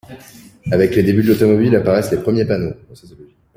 Avec les débuts de l'automobile apparaissent les premiers panneaux.